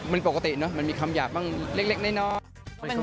มันปกติเนอะมันมีคำหยาบบ้างเล็กน้อย